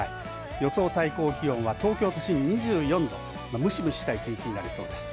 予想最高気温は東京都心２４度、ムシムシした１日になりそうです。